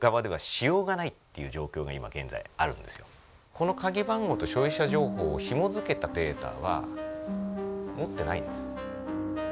この鍵番号と消費者情報をひもづけたデータは持ってないんです。